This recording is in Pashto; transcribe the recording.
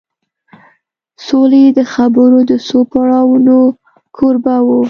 سولې د خبرو د څو پړاوونو کوربه و